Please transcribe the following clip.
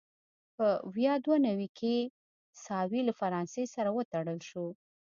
په ویا دوه نوي کال کې ساوې له فرانسې سره وتړل شوه.